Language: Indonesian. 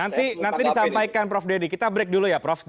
nanti disampaikan prof deddy kita break dulu ya prof